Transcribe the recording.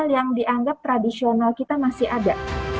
hal yang dianggap tradisional kita masih ada